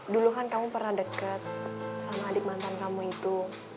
duluan kamu pernah deket sama adik mantan kamu itu